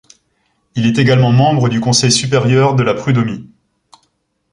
Il est également membre du Conseil supérieur de la Prud'homie.